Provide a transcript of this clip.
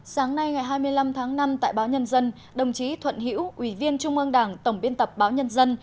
sáng nay ngày hai mươi năm tháng năm tại báo nhân dân đồng chí thuận hữu ủy viên trung ương đảng tổng biên tập báo nhân dân